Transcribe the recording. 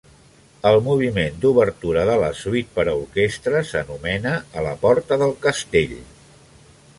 El moviment d'obertura de la suite per a orquestra s'anomena "A la porta del castell".